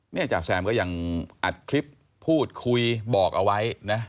จาแซมก็ยังอัดคลิปพูดคุยบอกเอาไว้นะ